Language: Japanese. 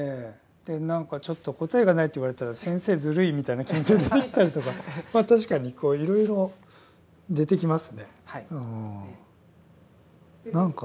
何かちょっと答えがないって言われたら先生ずるいみたいな気持ちになったりとか確かにいろいろ出てきますね。